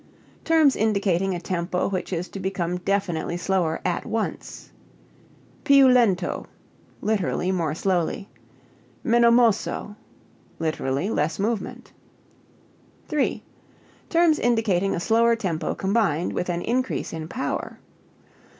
Terms indicating a tempo which is to become definitely slower at once. Più lento (lit. more slowly), meno mosso (lit. less movement). 3. Terms indicating a slower tempo combined with an increase in power.